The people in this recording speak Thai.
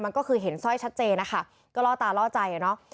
มันก็คือเห็นสร้อยชัดเจนนะคะก็ล่อตาล่อใจอ่ะเนอะ